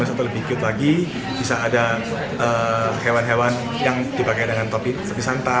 masa masa lebih cute lagi bisa ada hewan hewan yang dipakai dengan topi santa